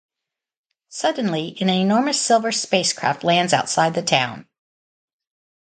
Suddenly, an enormous silver spacecraft lands outside the town.